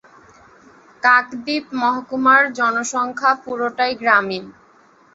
কাকদ্বীপ মহকুমার জনসংখ্যা পুরোটাই গ্রামীণ।